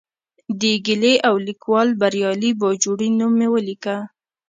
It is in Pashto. د ګیلې او لیکوال بریالي باجوړي نوم مې ولیکه.